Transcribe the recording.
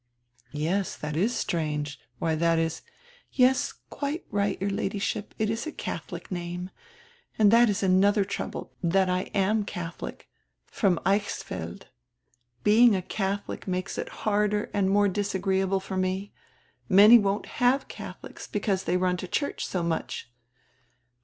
"Yes, tlrat is strange; why, that is —" "Yes, quite right, your Ladyship, it is a Catholic name. And that is another trouble, that I am a Catholic. From Eichsfeld. Being a Catholic makes it harder and more disagreeable for me. Many won't have Catholics, because they run to the church so much.